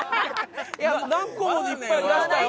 何個もいっぱい出したよ。